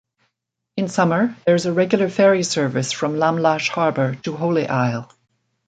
In summer, there is a regular ferry service from Lamlash harbour to Holy Isle.